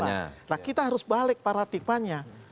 nah kita harus balik paradigmanya